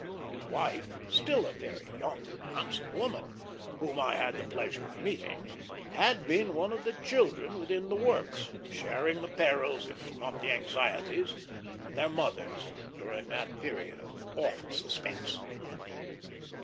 His wife, still a very young and handsome woman, whom I had the pleasure of meeting, had been one of the children within the works, sharing the perils, if not the anxieties, of their mothers during that period of awful suspense.